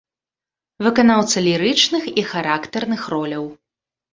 Выканаўца лірычных і характарных роляў.